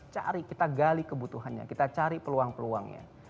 cari kita gali kebutuhannya kita cari peluang peluangnya